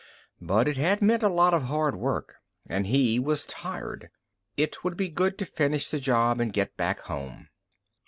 _ But it had meant a lot of hard work, and he was tired. It would be good to finish the job and get back home.